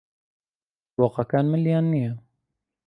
بۆقەکان ملیان نییە.